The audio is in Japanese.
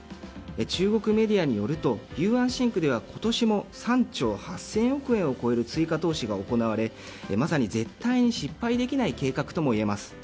中国メディアによると雄安新区では今年も３兆８０００億円を超える追加投資が行われまさに絶対に失敗できない計画とも言えます。